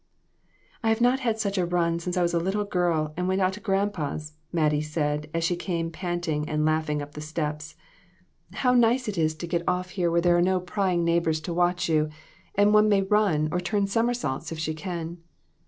" I have not had such a run since I was a little girl and went out to grandpa's," Mattie said, as she came panting and laughing up the steps. " How 1 66 LESSONS. nice it is to get off here where there are no prying neighbors to watch you, and one may run or turn somersaults if she can."